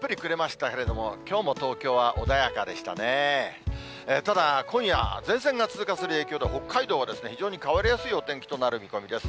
ただ、今夜、前線が通過する影響で、北海道は非常に変わりやすいお天気となる見込みです。